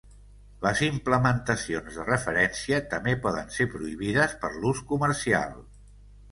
Les implementacions de referència també poden ser prohibides per l'ús comercial.